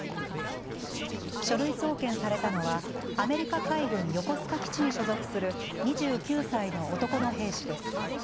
書類送検されたのはアメリカ海軍横須賀基地に所属する２９歳の男の兵士です。